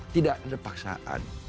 tidak ada paksaan